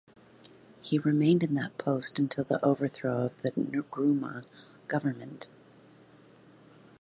He remained in that post until the overthrow of the Nkrumah government.